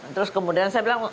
terus kemudian saya bilang